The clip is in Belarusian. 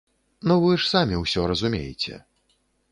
Ну вы ж самі ўсё разумееце!